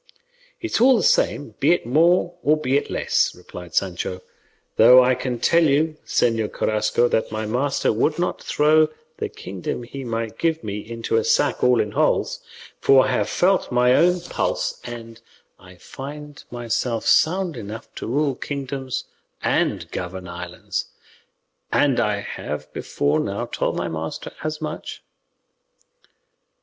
"It is all the same, be it more or be it less," replied Sancho; "though I can tell Señor Carrasco that my master would not throw the kingdom he might give me into a sack all in holes; for I have felt my own pulse and I find myself sound enough to rule kingdoms and govern islands; and I have before now told my master as much."